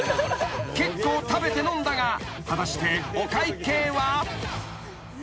［結構食べて飲んだが果たしてお会計は］